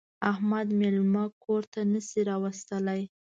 احمد مېلمه کور ته نه شي راوستلی.